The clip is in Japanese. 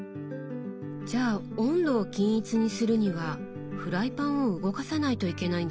じゃあ温度を均一にするにはフライパンを動かさないといけないんですね。